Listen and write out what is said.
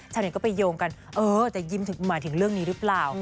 เน็ตก็ไปโยงกันเออจะยิ้มถึงหมายถึงเรื่องนี้หรือเปล่า